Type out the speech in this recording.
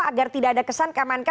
agar tidak ada kesan kmnk